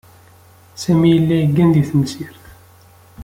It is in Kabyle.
Sami yella yeggan deg tmesrit.